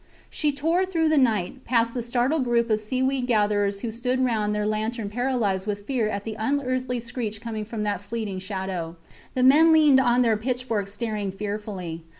... She tore through the night, past the startled group of seaweed gatherers who stood round their lantern paralysed with fear at the unearthly screech coming from that fleeing shadow. The men leaned on their pitchforks staring fearfully.